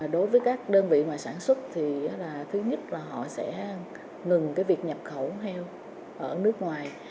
đối với các đơn vị mà sản xuất thì thứ nhất là họ sẽ ngừng cái việc nhập khẩu heo ở nước ngoài